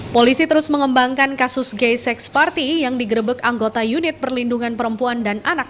polisi terus mengembangkan kasus gay sex party yang digerebek anggota unit perlindungan perempuan dan anak